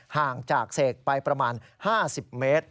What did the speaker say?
ห่างจากเสกไปประมาณ๕๐เมตร